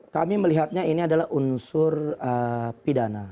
kami melihatnya ini adalah unsur pidana